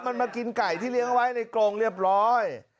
มันมากินไก่ที่เลี้ยงเอาไว้ในกรงเรียบร้อย